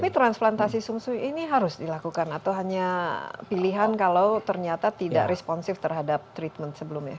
tapi transplantasi sum sum ini harus dilakukan atau hanya pilihan kalau ternyata tidak responsif terhadap treatment sebelumnya